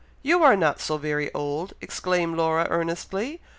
you are not so very old!" exclaimed Laura, earnestly.